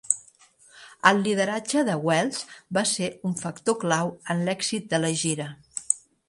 El lideratge de Wells va ser un factor clau en l'èxit de la gira.